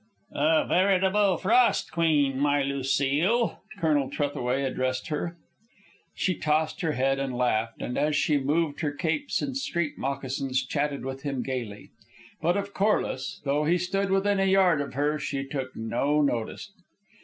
"A veritable frost queen, my Lucile," Colonel Trethaway addressed her. She tossed her head and laughed, and, as she removed her capes and street moccasins, chatted with him gayly. But of Corliss, though he stood within a yard of her, she took no notice.